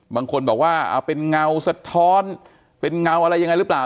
บางคนบอกว่าเป็นเงาสะท้อนเป็นเงาอะไรยังไงหรือเปล่า